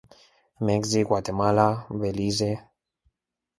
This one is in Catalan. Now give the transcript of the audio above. Mèxic, Guatemala i Belize.